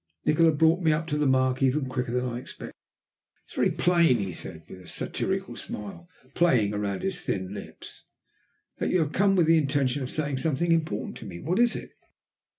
Nikola brought me up to the mark even quicker than I expected. "It is very plain," he said, with a satirical smile playing round his thin lips, "that you have come with the intention of saying something important to me. What is it?"